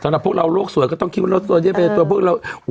สำหรับพวกเราโลกสวยก็ต้องคิดว่าเราโซเดียมไปในตัวพวกเราเออ